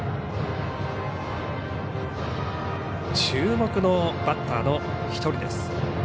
注目のバッターの１人です。